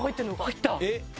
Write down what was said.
入った！